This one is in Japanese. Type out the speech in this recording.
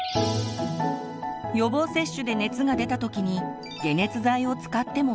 予防接種で熱が出たときに解熱剤を使ってもいいの？